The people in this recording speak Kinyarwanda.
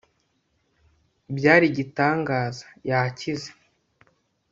Byari igitangaza yakize